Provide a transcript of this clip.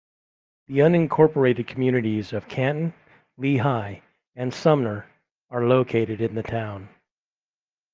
The unincorporated communities of Canton, Lehigh and Sumner are located in the town.